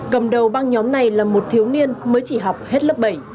cầm đầu băng nhóm này là một thiếu niên mới chỉ học hết lớp bảy